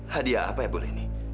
hadiah apa ya pak prabu